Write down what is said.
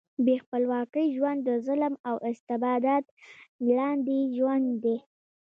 بې خپلواکۍ ژوند د ظلم او استبداد لاندې ژوند دی.